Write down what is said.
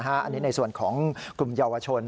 อันนี้ในส่วนของกลุ่มเยาวชน